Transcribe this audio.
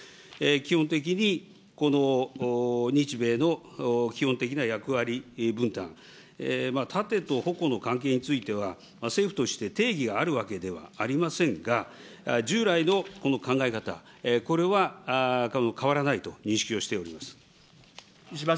基本的にこの日米の基本的な役割分担、盾と矛の関係については、政府として定義があるわけではありませんが、従来のこの考え方、これは変わらないと認識をしております。